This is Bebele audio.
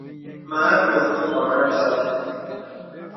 Mə à tɔk bə ǹgɔ̀n à nzàl.